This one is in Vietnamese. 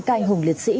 cài hùng liệt sĩ